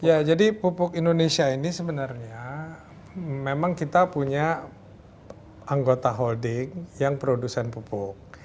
ya jadi pupuk indonesia ini sebenarnya memang kita punya anggota holding yang produsen pupuk